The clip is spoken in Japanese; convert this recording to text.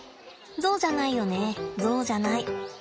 ゾウじゃないよねゾウじゃない。